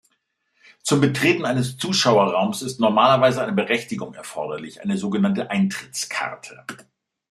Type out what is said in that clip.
Zum Betreten eines Zuschauerraums ist normalerweise eine Berechtigung erforderlich, eine sogenannte Eintrittskarte.